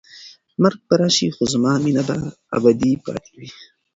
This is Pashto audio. مرګ به راشي خو زما مینه به ابدي پاتې وي.